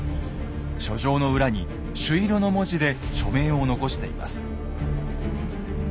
書状の裏に朱色の文字で署名を残しています。